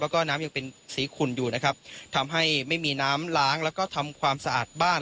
แล้วก็น้ำยังเป็นสีขุ่นอยู่นะครับทำให้ไม่มีน้ำล้างแล้วก็ทำความสะอาดบ้าน